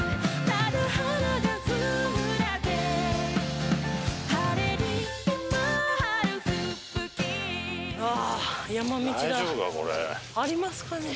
ありますかね？